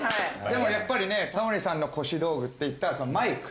でもやっぱりねタモリさんの腰道具っていったらそのマイク。